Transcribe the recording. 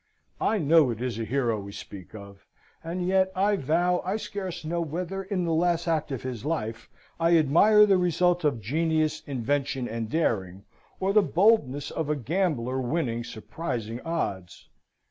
I know it is a hero we speak of; and yet I vow I scarce know whether in the last act of his life I admire the result of genius, invention, and daring, or the boldness of a gambler winning surprising odds.